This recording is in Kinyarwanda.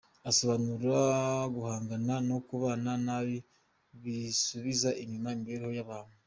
Asobanura guhangana, no kubana nabi bisubiza inyuma imibereho y’abantu.